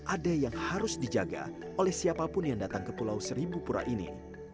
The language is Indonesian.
ada yang harus dijaga oleh siapapun yang datang ke pulau seribu pura ini